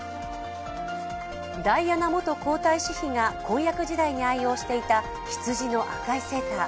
ダイアナ元皇太子妃が婚約時代に愛用していた羊の赤いセーター。